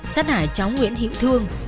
sát hại cháu nguyễn hiệu thương